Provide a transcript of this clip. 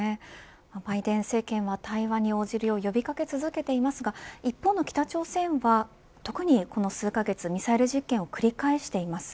バイデン政権は対話に応じるよう呼び掛け続けていますが一方の北朝鮮は特にこの数カ月、ミサイル実験を繰り返しています。